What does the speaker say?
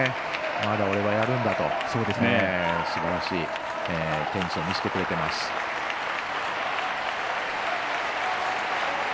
まだ俺はやるんだ！というすばらしいテニスを見せてくれています。